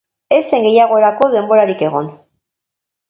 Ez zen gehiagorako denborarik egon.